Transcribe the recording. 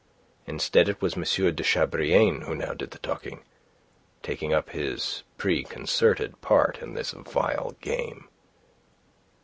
Instead, it was M. de Chabrillane who now did the talking, taking up his preconcerted part in this vile game.